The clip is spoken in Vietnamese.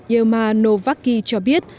yelma novakki cho biết